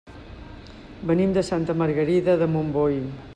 Venim de Santa Margarida de Montbui.